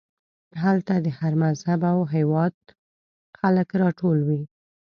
هلته د هر مذهب او هېواد خلک راټول وي.